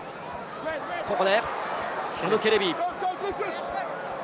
ここで、サム・ケレビ。